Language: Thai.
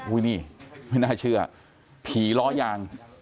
อุ้ยนี่ไม่น่าเชื่อผีล้อยาง